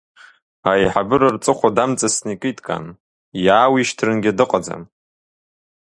Аиҳабыра рҵыхәа дамҵасны икит Кан, иаауишьҭрангьы дыҟаӡам.